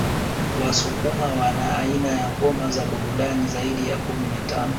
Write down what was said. Wasukuma wana aina ya ngoma za burudani zaidi ya kumi na tano